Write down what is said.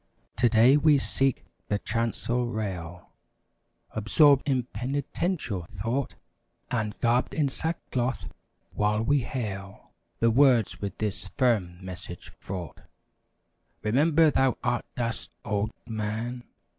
Today we seek the chancel rail, Absorbed in penitential thought; And garbed in sack cloth, while we hail The words with this firm message fraught: "Remember thou art dust, O, man!"